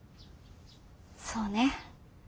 そうね。